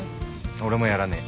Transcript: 俺もやらねえ。